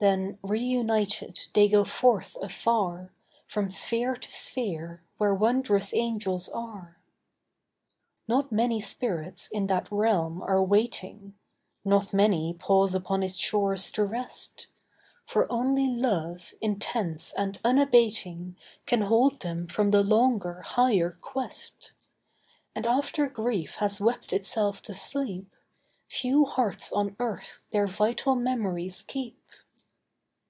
Then, reunited, they go forth afar, From sphere to sphere, where wondrous angels are. Not many spirits in that realm are waiting; Not many pause upon its shores to rest; For only love, intense and unabating, Can hold them from the longer, higher quest. And after grief has wept itself to sleep, Few hearts on earth their vital memories keep.